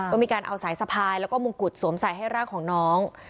ก็มีการเอาสายสะพายแล้วก็มงกุฎสวมใส่ให้ร่างของน้อง